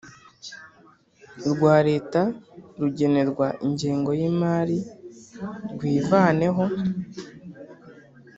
rwa Leta rugenerwa ingengo y imari rwivaneho